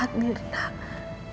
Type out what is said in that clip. kamu harus percaya dengan ikhlas ya